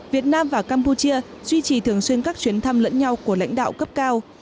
việt nam và campuchia duy trì thường xuyên các chuyến thăm lẫn nhau của lãnh đạo cấp cao